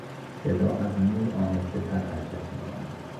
صدا از نور آهستهتر حرکت میکند.